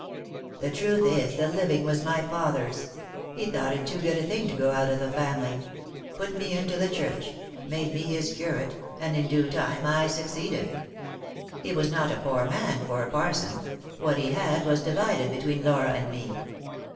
"The truth is, the living was my father's; he thought it too good a thing to go out of the family ; put me into the Church ; made me his curate, and, in due time, I succeeded. He was not a poor man, for a parson ; what he had was divided between Laura and me.